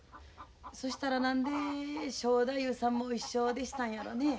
そしたら何で正太夫さんも一緒でしたんやろね？